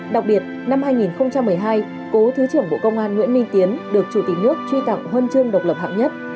đặc biệt năm hai nghìn một mươi hai cố thứ trưởng bộ công an nguyễn minh tiến được chủ tịch nước truy tặng huân chương độc lập hạng nhất